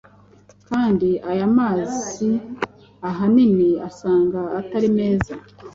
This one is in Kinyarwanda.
kandi aya mazi ahanini usanga atari meza